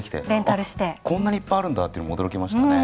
あっこんなにいっぱいあるんだっていうのも驚きましたね。